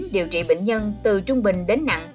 điều trị bệnh nhân từ trung bình đến nặng